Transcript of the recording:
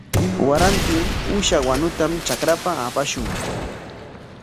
Warantin uusha wanutam trakrapa apashun.